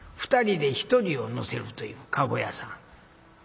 ２人で１人を乗せるという駕籠屋さん。